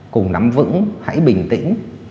cùng nắm vững hãy bình tĩnh